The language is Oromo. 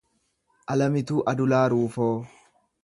Alamituu Adulaa Ruufoo